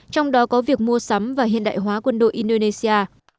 trong đó có việc mua sắm và hiện đại hóa quân đội indonesia